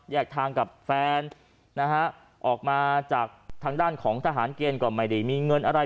ทางกับแฟนนะฮะออกมาจากทางด้านของทหารเกณฑ์ก็ไม่ได้มีเงินอะไร